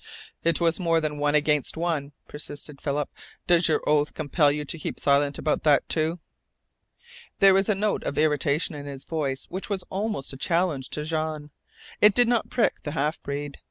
"It was more than one against one," persisted Philip. "Does your oath compel you to keep silent about that, too?" There was a note of irritation in his voice which was almost a challenge to Jean. It did not prick the half breed.